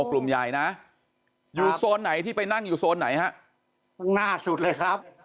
กลุ่มใหญ่นะอยู่โซนไหนที่ไปนั่งอยู่โซนไหนฮะข้างหน้าสุดเลยครับ